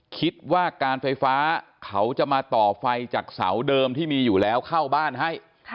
คิดว่าการไฟฟ้าเขาจะมาต่อไฟจากเสาเดิมที่มีอยู่แล้วเข้าบ้านให้